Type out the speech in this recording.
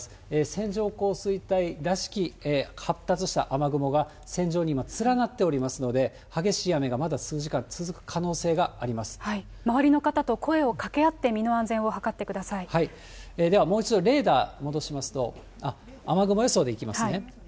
線状降水帯らしき発達した雨雲が線状に今、連なっておりますので、激しい雨がまだ数時間、続く可能性があり周りの方と声をかけ合って、ではもう一度、レーダー戻しますと、雨雲予想でいきますね。